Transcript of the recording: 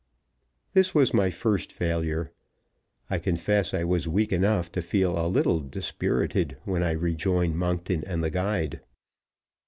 This was my first failure. I confess I was weak enough to feel a little dispirited when I rejoined Monkton and the guide.